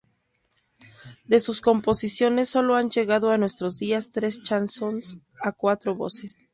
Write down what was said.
De sus composiciones solo han llegado a nuestros días tres "Chansons" a cuatro voces.